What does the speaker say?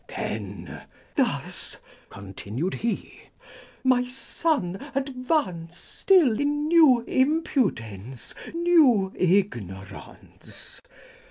Then thus continued he : My son, advance Still in new impudence, new ignorance.